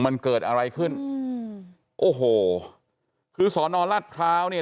มันเกิดอะไรขึ้นอืมโอ้โหคือสอนอรัฐพร้าวเนี่ย